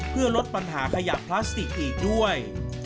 เพื่อลดปัญหาขยะพลาสติกอีกด้วย